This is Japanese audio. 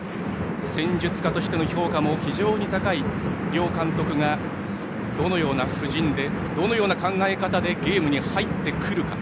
戦術家としての評価も非常に高い両監督が、どのような布陣でどのような考え方でゲームに入ってくるか。